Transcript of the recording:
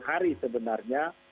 delapan puluh hari sebenarnya